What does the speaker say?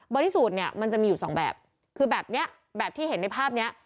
ที่สุดเนี่ยมันจะมีอยู่สองแบบคือแบบเนี้ยแบบที่เห็นในภาพเนี้ย